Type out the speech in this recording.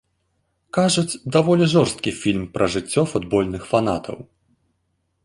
Кажуць, даволі жорсткі фільм пра жыццё футбольных фанатаў.